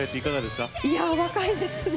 若いですね。